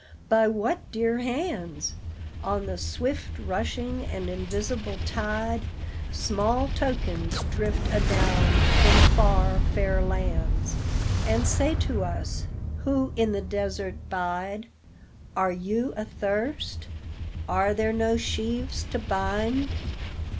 by what dear hands? On the swift rushing and invisible tide, Small tokens drift adown from far, fair lands, And say to us, who in the desert bide, "Are you athirst? Are there no sheaves to bind?